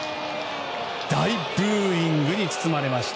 大ブーイングに包まれました。